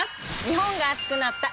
日本が熱くなった！